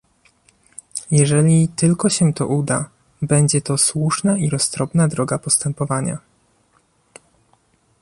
Jeżeli tylko się to uda, będzie to słuszna i roztropna droga postępowania